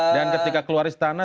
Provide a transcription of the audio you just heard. dan ketika keluar istana